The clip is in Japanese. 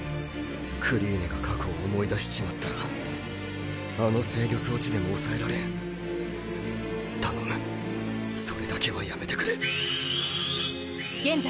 クリーネが過去を思い出しちまったらあの制御装置でも抑えられん頼むそれだけはやめてくれ現在